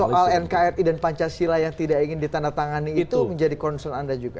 soal nkri dan pancasila yang tidak ingin ditandatangani itu menjadi concern anda juga